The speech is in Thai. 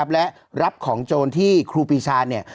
และรับของโจรที่ครูปีชาเนี่ย